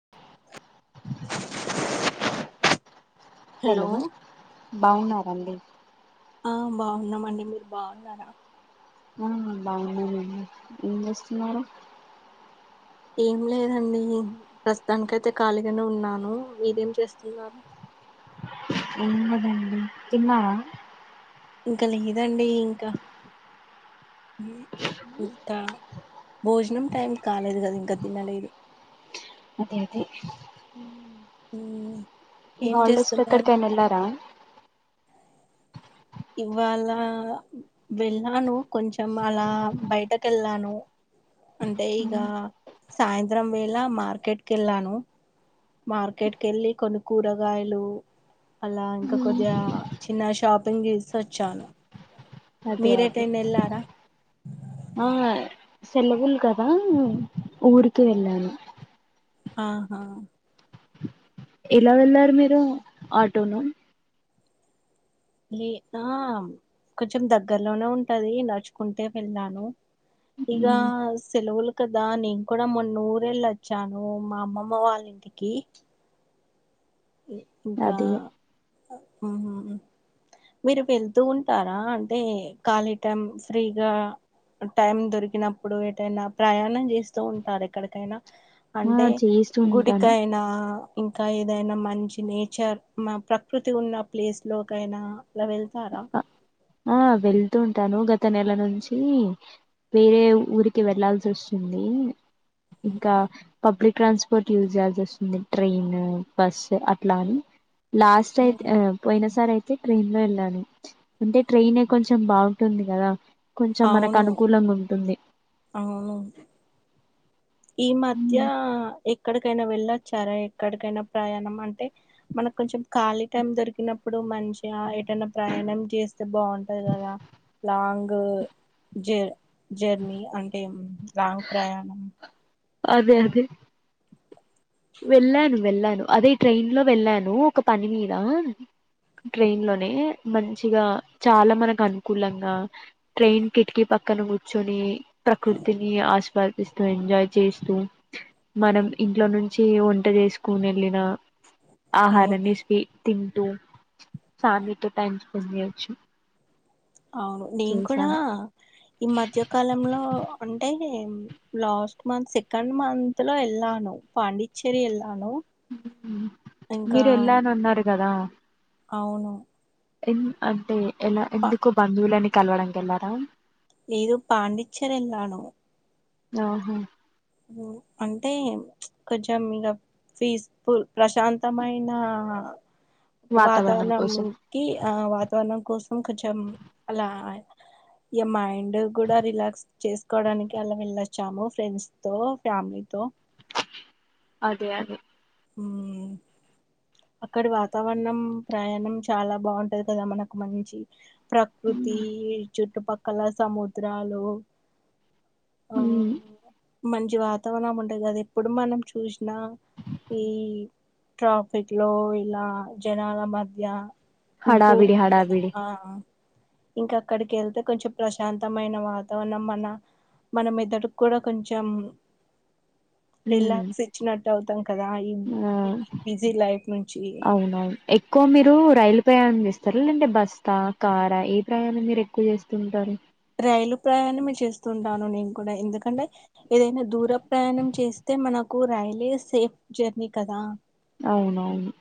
[inaudible] Hello బాగున్నారండి ఆ బాగున్నమండి మీరు బాగున్నారా ఆ బాగున్నానండి ఎం చేస్తున్నారు ఏం లేదండి ప్రస్తుతానికైతే ఖాళీగానే ఉన్నాను మీరేం చేస్తున్నారు ఏం లేదండి తిన్నారా ఇంకా లేదండి ఇంకా ఇంకా భోజనం టైం కాలేదు కదా ఇంకా తినలేదు. అదే అదే హుమ్ ఈ హాలిడేస్ లో ఎక్కడికైనా వెళ్లారా ఇవాళ వెళ్ళాను కొంచెం అలా బయటకు వెళ్ళాను, అంటే ఇగా సాయంత్రం వేళ మార్కెట్కి వెళ్ళాను. మార్కెట్ కి వెళ్ళి కొన్ని కూరగాయలు అలా ఇంకా కొద్దిగా చిన్న షాపింగ్ చేసి వచ్చాను. అదే అదే మీరెటైన ఎల్లార ఆ సెలవుల్కదా ఊరుకి వెళ్ళాను ఆహా ఎలా వెళ్లారు మీరు ఆటోన లే ఆ కొంచెం దగ్గర్లోనే ఉంటది నడుచుకుంటే వెళ్ళాను ఇగా సెలువులు కదా నేను కూడా మొన్నఊరేల్లి వచ్చాను మా అమ్మమ్మ వాళ్ళ ఇంటికి ఇంకా అదే ఉమ్ మీరు వెళ్తూ ఉంటారా అంటే ఖాళీ టైం ఫ్రీగా టైం దొరికినప్పుడు ఎటైనా ప్రయాణం చేస్తూ ఉంటార ఎక్కడికైనా, ఆ అంటే చేస్తూ ఉంటాను గుడికైన ఇంకా ఏదైనా మంచి నేచర్ మా ప్రకృతి ఉన్న ప్లేస్ లోకైనా ల వెల్ తార ఆ వెళ్తూ ఉంటాను గత నెల నుంచి వేరే ఊరికి వెళ్లాల్సి వస్తుంది. ఇంకా పబ్లిక్ ట్రాన్స్పోర్ట్ యూజ్ చేయాల్సి వస్తుంది. ట్రైన్, బస్ అట్లా అని లాస్ట్ అయితే ఆ పోయిన సారె తే ట్రైన్ లో వెళ్ళాలి అంటే ట్రైన్ కొంచెం బాగుంటుంది కదా కొంచెం మనకు అవును అనుకూలంగా ఉంటుంది అవును ఈ మధ్య ఎక్కడ ప్పుడైనా వెళ్ళొచ్చారా ఎక్కడికైనా ప్రయాణం అంటే మనకు కొంచెం ఖాళీ టైమ్ దొరికినప్పుడు మంచిగా ఎటైనా ప్రయాణం చేస్తే బాగుంటది కదా లాంగ్ జ జర్నీ అంటే లాంగ్ ప్రయాణం. అదే అదే వెళ్ళాను వెళ్ళాను అదే ట్రైన్ లో వెళ్ళాను. ఒక పని మీద ట్రైన్ లోనే మంచిగా చాలా మనకు అనుకూలంగా ట్రైన్ కిటికీ పక్కన కూర్చొని, ప్రకృతిని ఆస్వా దిస్తూ ఎంజాయ్ చేస్తూ మనం ఇంట్లో నుం చి వంట చేసుకోని వెళ్ళిన అవును ఆహారణిష్కి తింటూ ఫ్యామిలీతో టైమ్ స్పెండ్ చేయొచ్చు అవును నేను కూడా చేశాను ఈ మధ్యకాలంలో అంటే నే లాస్ట్ మంత్ సెకండ్ మంత్ లో వెళ్ళాను పాండిచ్చేరి వెళ్ళ మీరు వెళ్ళనన్నారు కదా అవును ఎమ్ అంటే ఎలా పా ఎందుకు బంధువులని కల్వడంకి కెల్లారా లేదు పాండిచ్చేరీ ఏళ్లను ఓహో అంటే కొంచెం ఇగ పిస్ ఫుల్ ప్రశాంతమైనా వాతావరణం వాతావరణమ్ కోసం కి ఆ వాతావరణం కోసం కొంచెం అలా ఈ మైండ్ కూడా రిలాక్స్ చేసుక్కోడానికి అలా వెళ్ళొచ్చాము ఫ్రెండ్స్ తో ఫ్యామిలీ తో అదే అదే ఉమ్ అక్కడి వాతావరణం ప్రయాణం చాలా బాగుంటది కదా మనకు మంచి ప్రకృతీ చుట్లుపక్కల సముద్రాలు ఆ మ్మ్ మంచి వాతావణం ఉంటది అది ఇప్పుడు మనం చూసిన ఈ ట్రాప్ ఫిక్లో ఇలా జనాల మధ్య ఉంటూ హడావిడి ఉంటది కదా. హడావిడి ఆ ఇంకా అక్కడికి ఏళ్తే కొంచెం ప్రశాంతమైన వాతావరణం మన మనం మెదడుకు కూడా కొంచెం మ్మ్ రీలాక్స్ ఇచ్చినట్ అవుతాం కదా ఇ ఆ అవునవును ఎక్కువ మీరు రైలు ప్రయాం చేస్తారూ లేంటే బసా కారా ఏ ప్రయాణం మీరు ఎక్కువ చేస్తూంటారు రైలు ప్రయాణమే చేస్తుంటాను నేను కూడా ఎందుకంటే ఏదైనా దూర ప్రయాణం చేస్తే మనకు రైలే సేఫ్ జర్నీ కదా అవునవును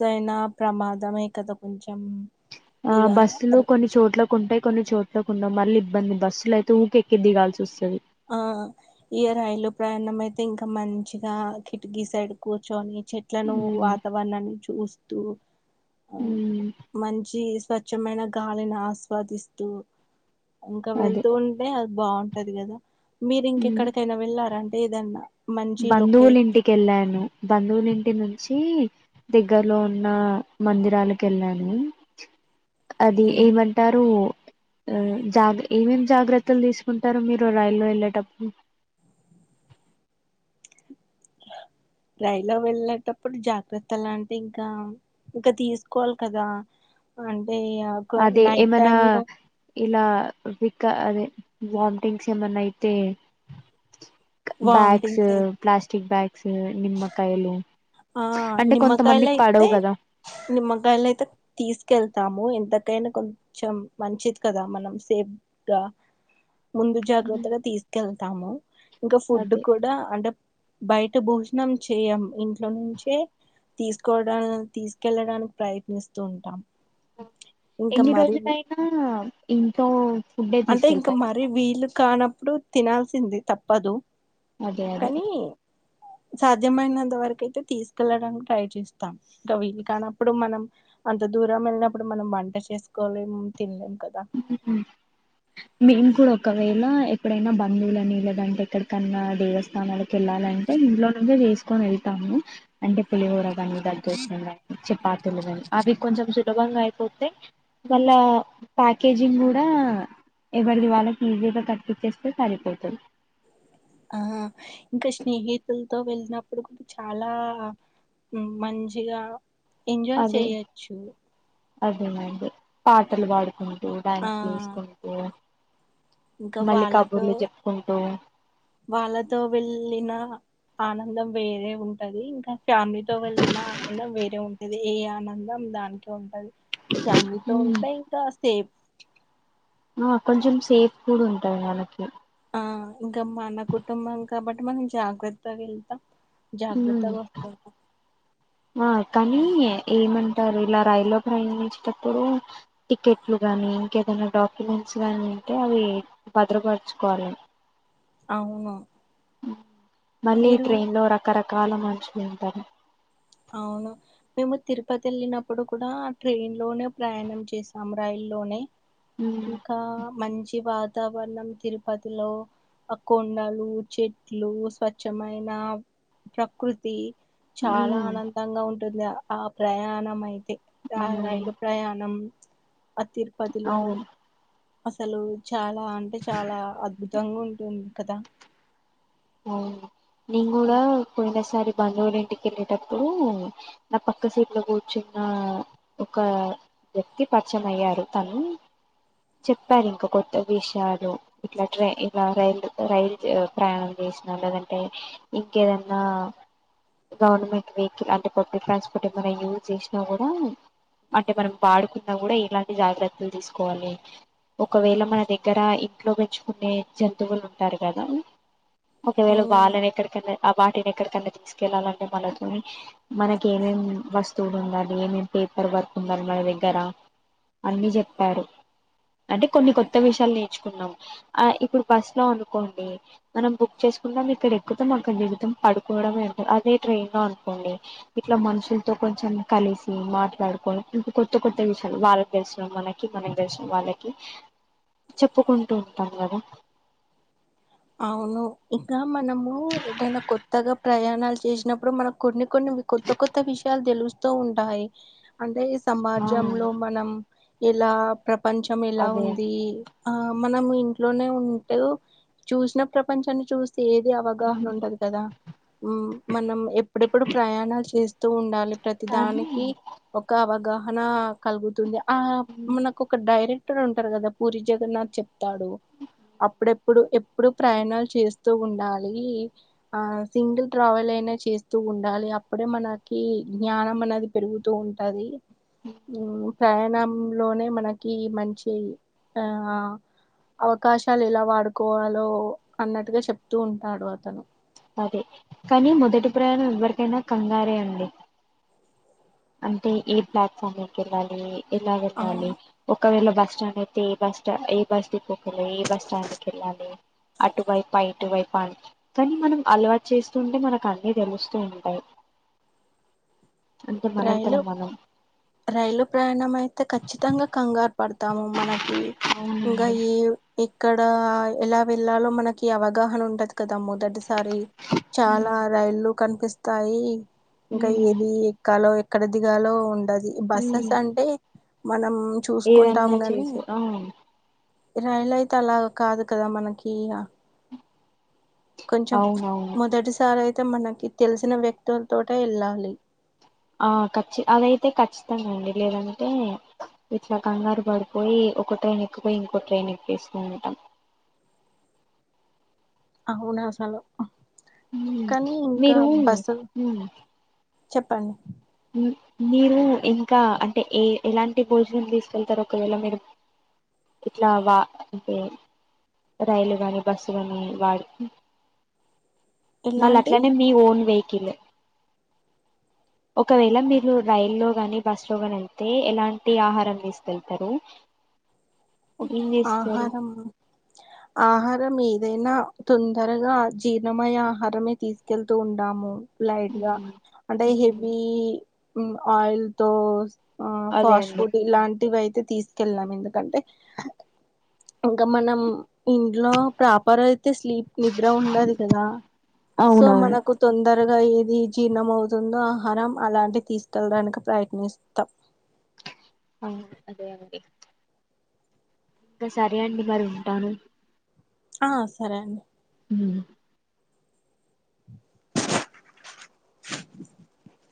దైనా ప్రమాదమే కదా కొంచెం ఆ ఇగ బస్సులు కొన్ని చోట్లకుంటాయి కొన్ని చోట్ల ఉండవు మళ్ళీ ఇబ్బంది బస్సులైతే ఊకె ఎక్కి దిగాల్సిసొస్తాది ఆ ఈ రైలు ప్రయాణం అయితే ఇంకా మంచిగా కిటికీ సైడ్ కూర్చొని చెట్లను ఉమ్ వాతావరణాన్ని చూస్ త్తూ అవును ఉమ్ మంచి స్వ చ్చమైన గాలిని ఆస్వాదిస్తూ. ఇంకా అదే వెళ్తుంటే అది బాగుంటది గదా మిరింకెక్కడికైనా వెల్ల అంటే ఏదన్నా మంచి లొకే బంధువులు ఇంటికె వెళ్ళాను బంధువులుంటి ఇంటి నుంచి దగ్గరలో ఉన్న మందిరాలకు వెళ్ళాను అది హ్మ్. ఏమంటారు ఆ జాగ ఏమేం జాగ్రత్తలు తీసుకుంటారు మీరు రైల్లో వెళ్ళేటప్పుడు రైలో వెళ్లేటప్పుడు జాగ్రత్తలు అంటే ఇంకా ఇంకా తీసుకోవాలి కదా అంటే ఇగ ఒక అదే నైట్ ఏమనా టైమ్ లో ఇలా వికా అదే వామిటింగ్స్ ఏమన్నా అయితే బ్యాగ్స్ వామిటింగ్స్ అయి ప్లాస్టిక్ బ్యాగ్స్ సే నిమ్మకయలు ఆ నిమ్మకాయలు అయితే కదా నిమ్మకాయలు అయితే తీసుకెళ్తాము ఎంత ఏమైనా కొంచెం మంచిది కదా మనం సేఫగా ముందు ఉమ్ జాగ్రత్తగా తీసుకెళ్తాము ఇంకా ఫుడ్ అదే కూడా అంటే బయట భోజనం చేయంం ఎందు ఇంట్లో నుంచే తీసుకోవడా తీసుకెళ్ళడానికి ప్రయత్నిస్తూ ఉంటాం ఇంకా ఎన్ని మరి రోజులైనా ఇంట్లో ఫుడ్డే అంటే ఇంకా తీసుకెళ్తారా మరి వీలుు కాన ప్పుడు తినాల్సింది తప్పదు అదే అదే కానీ సాధ్యమనంత వరకయితే తీసుకెళ్ళడానికి ట్రై చేస్తాం ఇంకా వీళ్ళ కానప్పుడు మనం అంత దూరం వెళ్ళినప్పుడు మనం వంట చేసుకోలేము తినలేము ఉ ఊ మేము కూడా ఒకవేళ ఎక్కడైనా బంధువులు నీళ్ళదంటే ఎక్కడికన్నా దేవస్థానలు వెళ్ళాలంటే ఇంట్లో నుంచి చేస్త కొని వెళ్తాము అంటే పులిహోరగానీ దద్దోజనం కానీ చపాతీలు కాని అవి కొంచెం సులభంగా అయిపోతాయి వాళ్ళ ప్యాకేజింగ్ కూడా ఎవరిది వాళ్ళకి ఈజీ గా కట్ చేస్తే సరిపోతుంది ఆ ఇంకా స్నేహితులతో వెళ్ళినప్పుడు కూడా చాలా మ్ మంచిగా ఎంజాయ్ అదే చేయొచ్చు అదేనండి పాటలు పాడుకు కూడా ఆ డ్యాన్స్ చేసుకుంటూ ఇంకా మళ్ళీ వాళ్ళతో కబుర్లు చెప్పుకుంటూ వాళ్ళతో వెళ్ళిన ఆనందం వేరే ఉంటది ఇంకా ఫ్యామిలీతో వెళ్ళిన ఆనందం వేరే ఉంటు ఏ ఆనందం దానికే ఉంటది ఫ్యామిలీతో ఉమ్ ఉంటే ఇంకా సేఫ్ ఆ కొంచెం సేఫ్ కూడా ఉంటాంది మనకి ఆ ఇంకా మన కుటుంబం కాబట్టి మనం జాగ్రత్తగా వెళ్తాం ఉమ్ జాగ్రత్తగా వస్తు ఆ కానీ ఏమంటారు ఇలా రైల్లో ప్రయాణించేటప్పుడు టికెట్లు గానీ ఇంకేదైనా డాక్యుమెంట్స్ గాని ఉంటే అవి భద్రపరచుకోవాలి అవును మళ్ళీ ఇ మీరు ట్రైన్ లో రక రక్క కాల మనుషులు ఉంటారు అవును మేము తిరుపతి వెళ్ళినప్పుడు కూడా ట్రైన్ లోనే ప్రయాణం చేసాం రైలు లోనే ఉమ్ ఇంకా మంచి బ వాతావరణం తిరుపతిలో కొండలు చెట్లు స్వచ్ఛమైన ప్రకృతి చాలా ఉమ్ ఆనందంగా ఉం దా ఆ ప్రయాణం అయితే ఉమ్, రైలు ప్రయాణం అ తిరుపతిలో అవును అసలు చాల అంటే చాలా అద్భుత దొంగ ఉంటుంది కదా ఆ నింగ కూడా కూడాదసారి బంధువులు ఇంటిక వెళ్ళేటప్పుడు నా పక్క సీట్లో కూర్చున్న ఒక వ్యక్తి పరిచయం అయ్యారు తను చెప్పారు ఇంక కొత్త విషయాలు ఇట్లా ట్రైన్ ఇలా రైల్ రైల్ ప్రయాణం చేసినా లేదంటే ఇంకేదన్నా గవర్నమెంట్ వెహికల్ అంటే పబ్లిక్ ట్రాన్స్పోర్ట్ ఏమన్నా యూజ్ చేసినా కూడా అంటే మనం పాడుకున్నా కూడా ఇలాంటి జాగ్రత్తలు తీసుకోవాలి ఒకవేళ మన దగ్గర ఇంట్లో పెంచుకునే జంతువులు ఉంటారు కదా ఒకవేళ ఉమ్ వల్ల దెగ్గరకు వెళ్లే ఆ వాటిని ఎక్కడికన్నా తీసుకెళ్ళాలంటే మనతో మనకి ఏమేం వస్తువులు ఉండాలి ఏమేం పేపర్ వర్క్ ఉందాలి మన దగ్గర అన్ని చెప్పారు అంటే కొన్ని కొత్త విషయాలు నేర్చుకున్నాము ఆ ఇప్పుడు బస్ లో అనుకోండి మనం బుక్ చేసుకున్నా ఇక్కడ ఎక్కుతం అక్కడ దిగుతం పడుకోవడమే అదే ట్రైన్ లో అనుకోండి ఇట్లా మనుషులతో కొంచెం కలిసి మాట్లాడుకొని ఇంకా కొత్త కొత్త విషయాలు వాళ్ళకి తెలిసిన మనకి మనకి తెలిసిన వాళ్ళకి చెప్పుకుంటూ ఉంటాం కదా అవును ఇకా మనము ఏదైనా కొత్తగా ప్రయాణాలు చేసినప్పుడు మనకు కొన్ని కొన్ని కొత్త కొత్త విషయాలు తెలుస్తూ ఉంటాయి అంటే ఆ సమాజంలో మనం ఎలా ప్ర పంచం ఎలా అదే ఉంది ఆ మనం ఇంట్లోనే ఉంటే చూసిన ప్రపంచాన్ని చూస్త ఏది అవగాహన ఉంటదు కదా ఉ మనం ఎప్పుడెప్పుడు ప్రయాణాలు చేస్త ఉండాలి. ప్రతి కానీ దానికి ఒక అవగాహ నా కలుగుతుంది. ఆ మనకు ఒక డైరీ క్కడ ఉంటారు కదా పూరి జగన్నాథ్ చెప్తాడు అప్పుడప్పుడు అప్పుడు ప్రయాణాలు చేస్తూ ఉండాలి ఆ సింగిల్ ట్రావెల్ అయినా చేస్తూ ఉండాలి అప్పుడే మనకి జ్ఞానం అనేది పెరుగుతూ ఉంటది. ఉ ప్రయాణం. లోనే మనకి మంచి ఆ అవకాశాలు ఎలా వాడుకోవాలి. అన్నట్టుగా చెప్ప అదే కానీ మొదటి ప్రయాణం ఎవరి ఎైనా కంగారే అండి. అంటే ఏ ప్లాట్ఫారం కి వెళ్ళాలి ఎలా వెళ్ళాలి అవును ఒకవేళ బ. స్టాండ్ అయితే బస్ స్టా ఏ బస్ దిి ఏ బస్ స్టాండ్కి వెళ్ళాలి అటువైపు ఇటువైపు అ కానీ మనం అలవాటు చేస్తూ ఉంటే మనకు అన్నిీ తెలుస్తూ ఉంటాయి. అంటే మనంతల రైలు మనం రైలు ప్రయాణం అయితే ఖచ్చితంగా కంగారు పడతాము మనకి ఇంకా అవునండి ఈ ఇక్కడ ఎలా వెళ్లాలో మనకి అవగాహన ఉండది కదా మొదటిసారి ఉమ్ చాలా రైళ్లు కనిపిస్త తాయి ఇంకా ఉమ్ ఏది ఎక్కడ దిగాలో ఉండదు ఉమ్. బస్సెస్ అంటే. మనం చూసుకుంటాము ఏదన్నా కానీ చేసు ఆ రైలు అయితే అలా కాదు కదా మనకి ఇ కొంచెం అవునవును మొదటిసారాయితే అ మనకి తెలిసిన వ్యక్తుల తోటే వెళ్ళాలి. ఆ ఖచ్చిత అదైతే ఖచ్చితంగా అండి లేదంటే ఇట్లా కంగారు పడిపోయి ఒక ట్రైన్ ఎక్కుపోయి ఇంకో ట్రైన్ ఎక్వేస్తూ ఉంటాం. అవును అస్సలు మీఊరు ఉ చెప్పండి మీరు ఇంకా అంటే ఏ ఎలాంటి భోజనం తీసుకెళ్తారు. ఒకవేళ మీరు ఇట్లా వా అంటే రైలు కాని బస్సు కాని వాడు మళ్ళ ఇలాంటి అట్లనే మీ ఓన్ వెహికల్ ఒకవేళ మీరు రైల్లో గాని, బస్లో గాని వెళ్తే ఎలాంటి ఆహారం తీసుకెళ్తారు. ఓకే ఏం చేస్తారు ఆహారమ్ ఆహారం ఏదైనా తొందరగా జీర్ణమయ ఆహారమే తీసుకెళ్తూ ఉంటాము. లైట్ గా మ్, అంటే మ్, హెవి హు ఆయిల్తోస్ ఆ అదే ఫాస్ట్ అండి ఫుడ్ ఇలాంటివి అయితే అయితే తీసుకెళ్ళం ఎందుకంటే గమనం ఇంట్లో ప్రాపర్ అయితే స్లీప్ నిద్ర ఉండదు. కదా సో అవునవును మనకు తొందర త్వరగా ఏది జీర్ణం అవుతుందో ఆహారం అలాంటి తీసుకెళ్ళడానికి ప్రయత్నిస్తాం. అ అదే అండి ఇంకా సరే అండి మరి ఉంటాను. ఆ సరే అండి అ [unintelligible] [unintelligible]